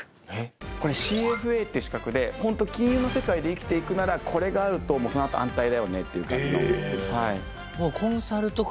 これＣＦＡっていう資格でホント金融の世界で生きていくならこれがあるとそのあと安泰だよねっていう感じの。